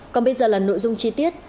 còn bây giờ là nội dung chi tiết